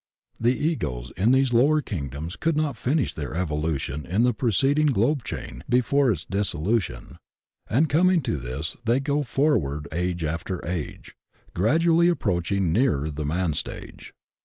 The Egos in these lower kingdoms could cot finish INTELLIGENT AID IN EVOLUTION 131 their evolution in the preceding globe chain before its dissolution, and coming to this they go forward age after age, gradually approaching nearer the man stage.